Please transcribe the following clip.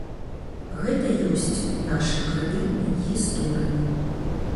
Гэта ёсць у нашай крэдытнай гісторыі.